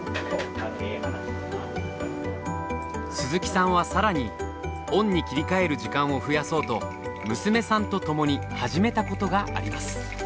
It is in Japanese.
鈴木さんは更にオンに切り替える時間を増やそうと娘さんと共に始めたことがあります。